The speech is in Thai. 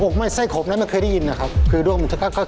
อกไหม้ไส้ขมนี่ไม่เคยได้ยินนะครับ